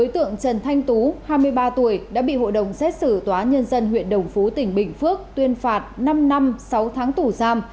tượng trần thanh tú hai mươi ba tuổi đã bị hội đồng xét xử tòa nhân dân huyện đồng phú tỉnh bình phước tuyên phạt năm năm sáu tháng tù giam